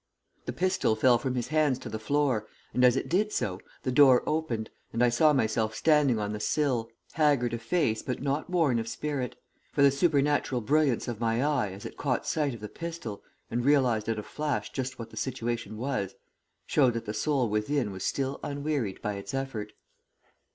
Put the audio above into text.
The pistol fell from his hands to the floor, and, as it did so, the door opened, and I saw myself standing on the sill, haggard of face, but not worn of spirit, for the supernatural brilliance of my eye as it caught sight of the pistol and realized at a flash just what the situation was, showed that the soul within was still unwearied by its effort.